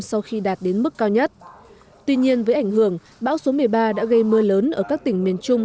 sau khi đạt đến mức cao nhất tuy nhiên với ảnh hưởng bão số một mươi ba đã gây mưa lớn ở các tỉnh miền trung